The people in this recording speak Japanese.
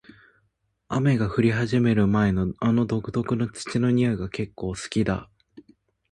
雨が降り始める前の、あの独特な土の匂いが結構好きだ。